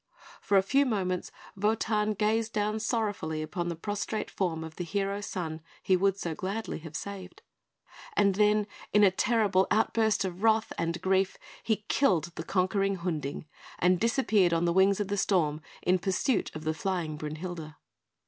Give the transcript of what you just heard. For a few moments Wotan gazed down sorrowfully upon the prostrate form of the hero son he would so gladly have saved; and then, in a terrible outburst of wrath and grief, he killed the conquering Hunding, and disappeared on the wings of the storm in pursuit of the flying Brünhilde.